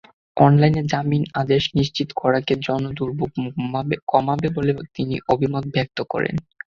অনলাইনে জামিন আদেশ নিশ্চিত করাকে জনদুর্ভোগ কমাবে বলে তিনি অভিমত ব্যক্ত করেন।